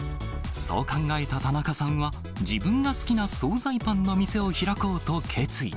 そう考えた田中さんは、自分が好きな総菜パンの店を開こうと決意。